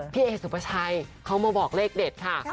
พี่เอสุปชัยเขามาบอกเลขเด็ดค่ะ